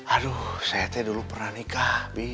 aduh saya teh dulu pernah nikah